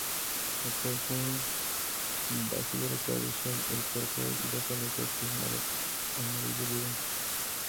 La coloración base de la cabeza, el cuerpo y las aletas, es amarillo vivo.